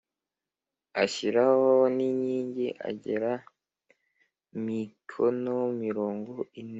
Ashyiraho n inkingi agera mikono mirongo ine